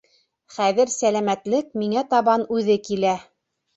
Хәҙер сәләмәтлек миңә табан үҙе килә.